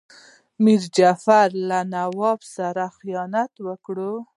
میر جعفر له نواب سره خیانت وکړ.